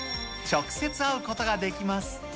直接会うことができます。